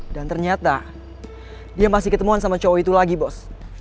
ternyata dia masih ketemuan sama cowok itu lagi bos